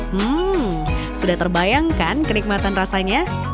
hmm sudah terbayangkan kenikmatan rasanya